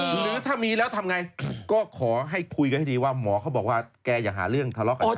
หรือถ้ามีแล้วทำไงก็ขอให้คุยกันให้ดีว่าหมอเขาบอกว่าแกอย่าหาเรื่องทะเลาะกับใคร